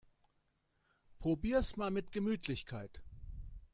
Probier's mal mit Gemütlichkeit!